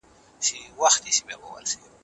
د رسنیو خپروني د ځانګړو اصولو لاندي څارل کیږي.